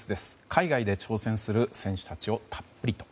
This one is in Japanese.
海外で挑戦する選手たちをたっぷりと。